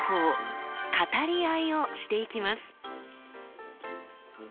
語り合いをしていきます。